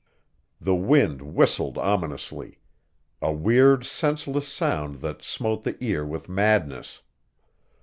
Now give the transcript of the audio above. The wind whistled ominously; a weird, senseless sound that smote the ear with madness.